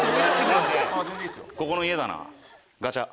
ここの家だなガチャ！